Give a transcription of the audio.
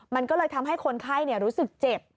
มันก็เลยทำให้คนไข้รู้สึกเจ็บ